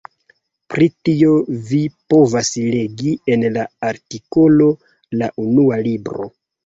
Pri tio vi povas legi en la artikolo La Unua Libro.